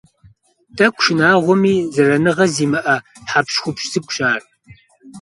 Тӏэкӏу шынагъуэми, зэраныгъэ зимыӀэ хьэпщхупщ цӀыкӀущ ар.